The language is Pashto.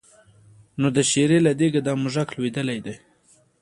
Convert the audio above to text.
نو د شېرې له دېګه دا موږک لوېدلی دی.